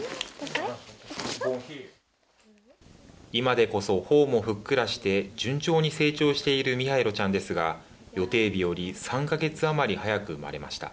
今でこそ、ほおもふっくらして順調に成長しているミハイロちゃんですが予定日より３か月余り早く生まれました。